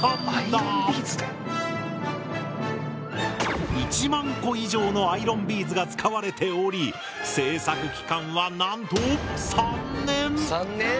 アイロンビーズで⁉１万個以上のアイロンビーズが使われており制作期間はなんと３年！